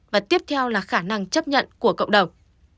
và tiếp theo là khả năng chấp nhận của cộng đồng